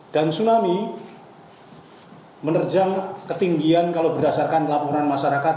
dan tsunami menerjang ketinggian kalau berdasarkan laporan masyarakat